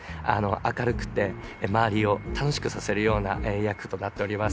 明るくて周りを楽しくさせるような役となっております